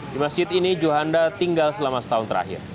di masjid ini johanda tinggal selama setahun terakhir